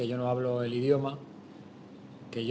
saya tidak bisa bicara bahasa